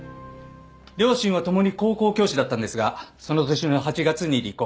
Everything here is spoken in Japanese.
両親はともに高校教師だったんですがその年の８月に離婚。